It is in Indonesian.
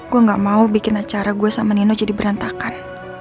gue gak mau bikin acara gue sama nino jadi berantakan